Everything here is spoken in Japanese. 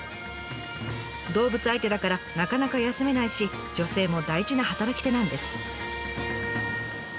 動物相手だからなかなか休めないし女性も大事な働き手なんです。